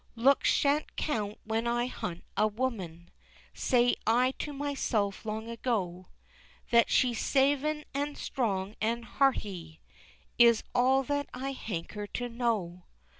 Looks shan't count when I hunt a woman, Said I to myself, long ago, That she's savin', an' strong, an' hearty, Is all that I hanker to know.